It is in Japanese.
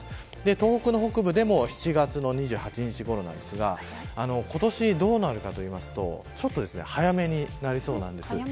東北の北部でも７月２８日ごろですが今年どうなるかというと早めになりそうです。